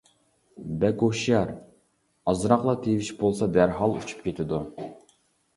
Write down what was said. بەك ھوشيار، ئازراقلا تىۋىش بولسا دەرھال ئۇچۇپ كېتىدۇ.